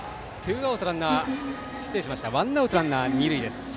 ワンアウトランナー、二塁です。